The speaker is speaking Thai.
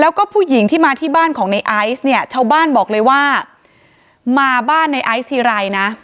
แล้วก็ผู้หญิงที่มาที่บ้านของในไอซ์เนี่ยชาวบ้านบอกเลยว่ามาบ้านในไอซ์ทีไรนะ